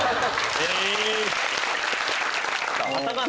え